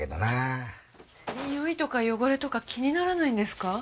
ニオイとか汚れとか気にならないんですか？